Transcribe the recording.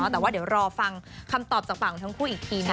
แต่ว่าเดี๋ยวรอฟังคำตอบจากฝั่งทั้งคู่อีกทีนะ